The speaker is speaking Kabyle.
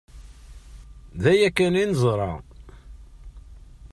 D aya kan i neẓra.